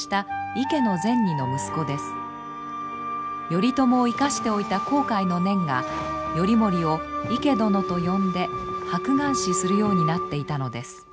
頼朝を生かしておいた後悔の念が頼盛を池殿と呼んで白眼視するようになっていたのです。